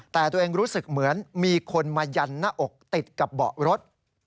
แต่ตัวเองรู้สึกเหมือนมีคนมายันหน้าอกติดกับเบาะรถ